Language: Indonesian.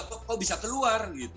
kok bisa keluar gitu